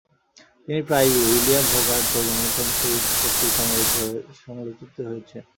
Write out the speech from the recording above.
তিনি প্রায়ই William Hogarth ও জোনাথন সুইফট কর্তৃক সমালোচিত হয়েছেন।